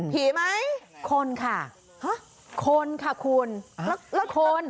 ผีไหมคนค่ะคนค่ะคุณแล้วคน